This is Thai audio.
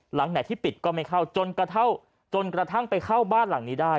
หลังไหนที่ปิดก็ไม่เข้าจนกระทั่งไปเข้าบ้านหลังนี้ได้